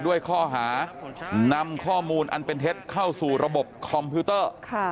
ด้วยข้อหานำข้อมูลอันเป็นเท็จเข้าสู่ระบบคอมพิวเตอร์